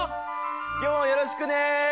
きょうもよろしくね！